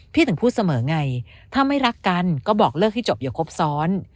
ถึงพูดเสมอไงถ้าไม่รักกันก็บอกเลิกให้จบอย่าครบซ้อน